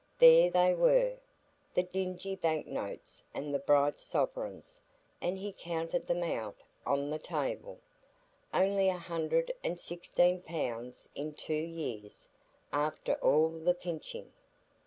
There they were, the dingy bank notes and the bright sovereigns, and he counted them out on the table—only a hundred and sixteen pounds in two years, after all the pinching.